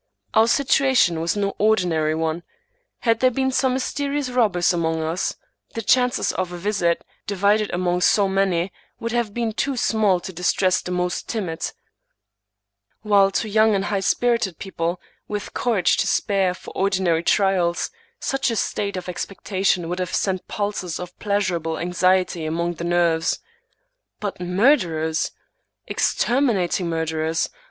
Our situation was no ordinary one. Had there been some mys terious robbers among us, the chances of a visit, divided among so many, would have been too small to distress the most timid; while to young and high spirited people, with 122 Thomas De Quincey courage to spare for ordinary trials, such a state of expec tation would have sent pulses of pleasurable anxiety among the nerves. But murderers! exterminating murderers!